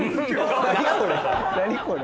何これ？